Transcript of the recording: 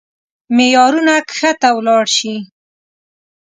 معيارونه کښته ولاړ شي.